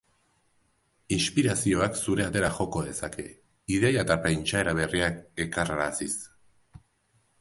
Inspirazioak zure atera joko dezake, ideia eta pentsaera berriak ekarraraziz.